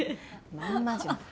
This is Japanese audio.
まんまじゃん。